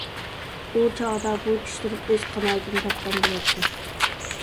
ئۇ چاغدا بۇ چۈشلىرىم ئۆز قانائىتىنى تاپقان بولاتتى.